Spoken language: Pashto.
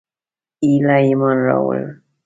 ایله ایمان راووړ.